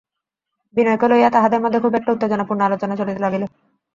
বিনয়কে লইয়া তাহাদের মধ্যে খুব একটা উত্তেজনাপূর্ণ আলোচনা চলিতে লাগিল।